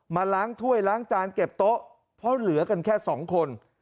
มาล้างถ้วยล้างจานเก็บโต๊ะเพราะเหลือกันแค่สองคน